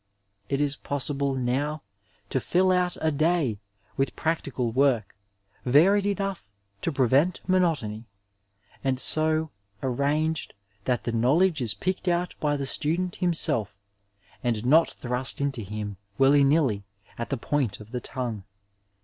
It is possible now to fill out a day with pnM> tical work, varied enough to prevent monotony, and so arranged that the knowledge is picked out by the stodent himself, and not thrust into him, wHly niUy, at the point of the tongue.